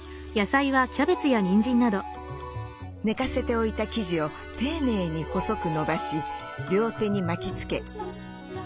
寝かせておいた生地を丁寧に細くのばし両手に巻きつけ。